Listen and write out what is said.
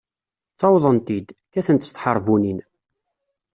Ttawḍen-t-id, kkaten-t s tḥeṛbunin.